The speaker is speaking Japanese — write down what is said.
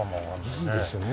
いいですね。